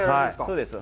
そうです。